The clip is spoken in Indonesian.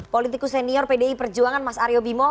politikus senior pdi perjuangan mas aryo bimo